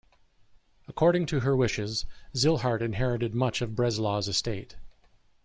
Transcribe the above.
According to her wishes, Zillhardt inherited much of Breslau's estate.